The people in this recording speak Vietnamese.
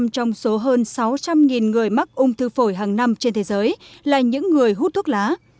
bảy mươi trong số hơn sáu trăm linh người mắc ung thư phổi hàng năm trên thế giới là những người hút thuốc lá